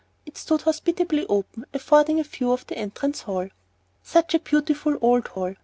It stood hospitably open, affording a view of the entrance hall. Such a beautiful old hall!